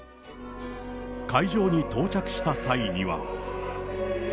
会場に到着した際には。